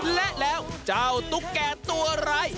และแล้วเจ้าตุ๊กแกตัวไร